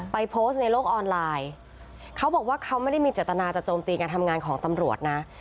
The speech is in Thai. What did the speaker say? โพสต์ในโลกออนไลน์เขาบอกว่าเขาไม่ได้มีเจตนาจะโจมตีการทำงานของตำรวจนะ